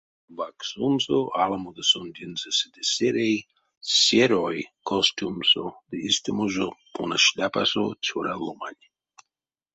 Вакссонзо аламодо сондензэ седе сэрей, серой костюмсо ды истямо жо пона шляпасо цёра ломань.